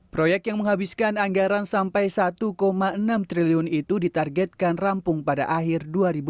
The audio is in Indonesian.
proyek yang menghabiskan anggaran sampai satu enam triliun itu ditargetkan rampung pada akhir dua ribu dua puluh